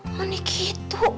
oh ini gitu